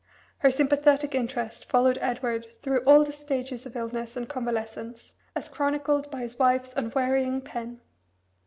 Her sympathetic interest followed Edward through all the stages of illness and convalescence, as chronicled by his wife's unwearying pen.